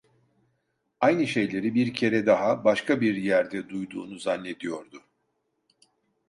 Aynı şeyleri bir kere daha, başka bir yerde duyduğunu zannediyordu.